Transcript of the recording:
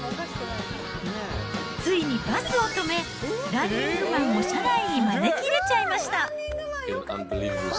ついにバスを止め、ランニングマンを車内に招き入れちゃいました。